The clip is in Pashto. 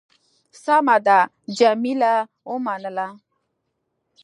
سمه ده. جميله ومنله.